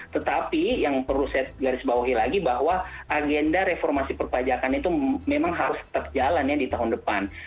tetapi yang perlu saya garis bawahi lagi bahwa agenda reformasi perpajakan itu memang harus tetap jalan ya di tahun depan